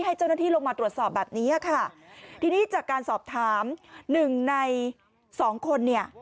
ให้เจ้าหน้าที่ลงมาตรวจสอบแบบนี้ค่ะทีนี้จากการสอบถามหนึ่งในสองคนเนี่ย